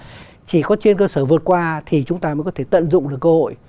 và chỉ có trên cơ sở vượt qua thì chúng ta mới có thể tận dụng được cơ hội